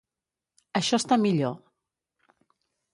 Això està millor.